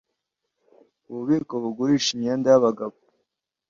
ububiko bugurisha imyenda yabagabo